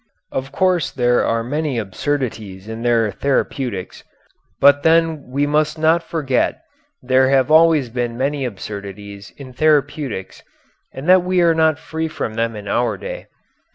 Of course there are many absurdities in their therapeutics, but then we must not forget there have always been many absurdities in therapeutics and that we are not free from them in our day.